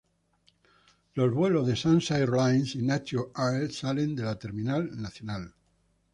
Los vuelos de Sansa Airlines y Nature Air salen de la Terminal nacional.